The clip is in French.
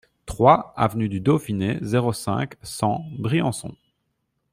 trois avenue du Dauphiné, zéro cinq, cent, Briançon